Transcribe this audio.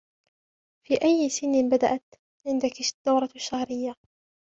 في أي سن بدأت عندك الدورة الشهرية؟